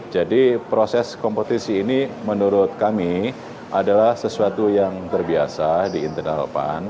jadi proses kompetisi ini menurut kami adalah sesuatu yang terbiasa di internal pan